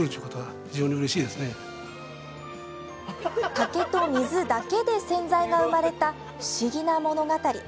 竹と水だけで洗剤が生まれた不思議な物語。